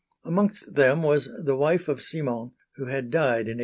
Amongst them was the wife of Simon, who had died in 1819.